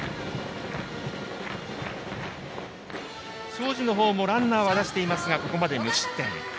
庄司のほうもランナーは出していますがここまで無失点。